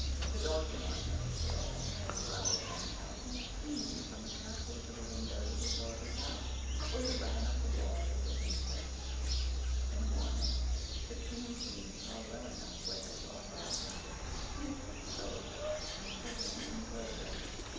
The dog did not notice at all how the flour ran out in a stream from the castle to the windows of the Soldier's house, where he ran up the wall with the Princess. In the morning the King and Queen saw well enough where their daughter had been, and they took the Soldier and put him in prison.